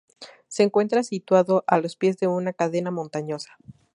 Se encuentra situado a los pies de una cadena montañosa.